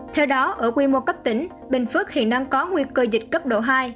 theo đó ở quy mô cấp tỉnh bình phước hiện đang có nguy cơ dịch cấp độ hai